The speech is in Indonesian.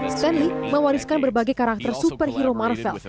stanley mewariskan berbagai karakter superhero marvel